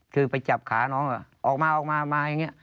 คือไปจับขาน้องออกมาออกมาอย่างนี้